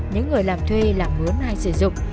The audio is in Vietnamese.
những người làm thuê làm mướn hay sử dụng